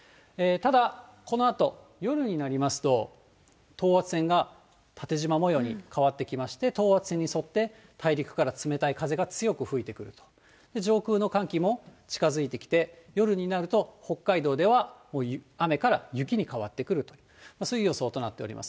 ただ、このあと夜になりますと、等圧線が縦じま模様に変わってきまして、等圧線に沿って、大陸から冷たい風が強く吹いてくると、上空の寒気も近づいてきて、夜になると、北海道ではもう雨から雪に変わってくる、そういう予想となっております。